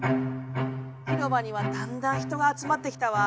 広場にはだんだん人が集まってきたわ。